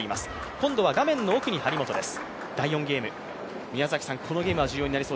今度は画面の奥が張本です。